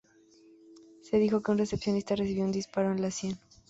Se dijo que un recepcionista recibió un disparo en la sien.